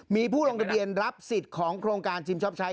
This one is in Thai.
มีผู้ลงทะเบียนรับสิทธิ์ของโครงการชิมชอบใช้